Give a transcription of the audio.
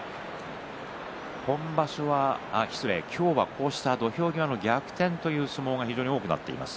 今日は、こうした土俵際の逆転という相撲が多くなっています。